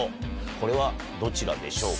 これはどちらでしょうか？